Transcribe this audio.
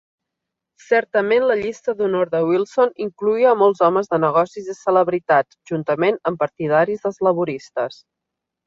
Certament la llista d'honor de Wilson incloïa a molts homes de negocis i celebritats, juntament amb partidaris dels Laboristes.